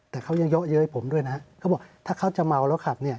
แต่เขายังเยอะเย้ยผมด้วยนะเขาบอกถ้าเขาจะเมาแล้วขับเนี่ย